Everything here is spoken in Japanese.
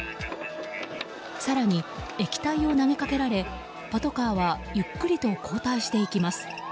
更に液体を投げかけられパトカーはゆっくりと後退していきます。